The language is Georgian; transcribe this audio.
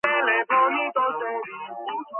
მდებარეობს დასავლეთ ავსტრალიაში.